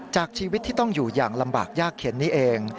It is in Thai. จากชีวิตที่ต้องอยู่อย่างลำบากยากเข็นนี้เอง